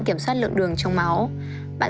kiểm soát lượng đường trong máu bạn